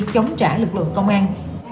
chống trả lực lượng công an